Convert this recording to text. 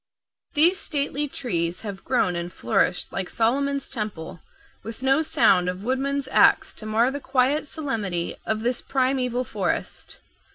These stately trees have grown and flourished like Solomon's Temple with no sound of woodman's axe to mar the quiet solemnity of this primeval forest.